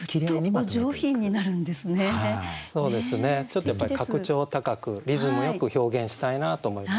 ちょっとやっぱり格調高くリズムよく表現したいなと思いますね。